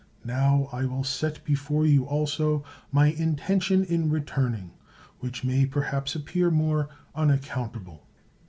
Now I will set before you, also, my intention in returning, which may, perhaps, appear more unaccountable.